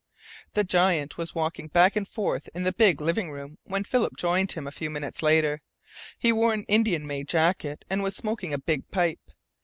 The giant was walking back and forth in the big living room when Philip joined him a few minutes later. He wore an Indian made jacket and was smoking a big pipe.